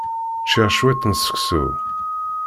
Ččiɣ cwiṭ n seksu.